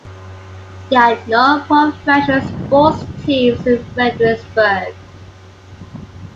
There are no professional sports teams in Fredericksburg.